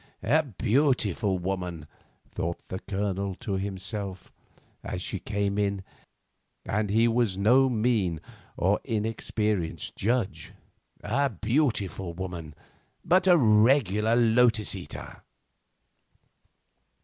"A beautiful woman," thought the Colonel to himself, as she came in, and he was no mean or inexperienced judge. "A beautiful woman, but a regular lotus eater."